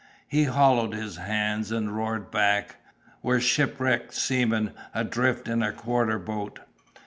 He hollowed his hands and roared back: "We're shipwrecked seamen adrift in a quarter boat!"